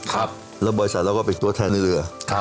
แล้วบริษัทเราก็เป็นตัวแทนในเรือ